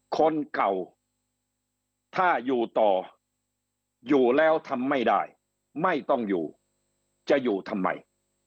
คนเก่าถ้าอยู่ต่ออยู่แล้วทำไม่ได้ไม่ต้องอยู่จะอยู่ทำไม